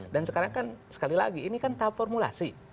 dan sekarang kan sekali lagi ini kan tahap formulasi